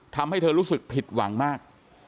ทำให้เธอรู้สึกผิดหวังมาก